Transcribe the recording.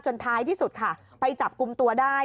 ท้ายที่สุดค่ะไปจับกลุ่มตัวได้